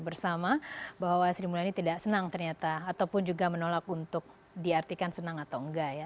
bersama bahwa sri mulyani tidak senang ternyata ataupun juga menolak untuk diartikan senang atau enggak ya